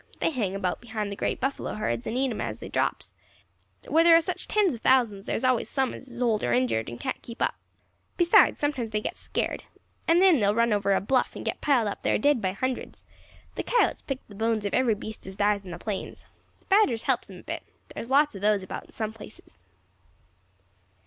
They hang about behind the great buffalo herds, and eat them as drops; where there are such tens of thousands there is always some as is old or injured and can't keep up; besides, sometimes they get scared, and then they will run over a bluff and get piled up there dead by hundreds. The coyotes pick the bones of every beast as dies in the plains. The badgers helps them a bit; there are lots of those about in some places."